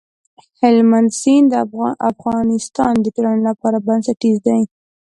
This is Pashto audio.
هلمند سیند د افغانستان د ټولنې لپاره بنسټيز دی.